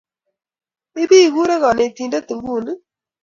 I bi kure kanetindet inguni?